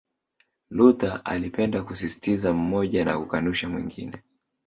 Luther alipenda kusisitiza mmoja na kukanusha mwingine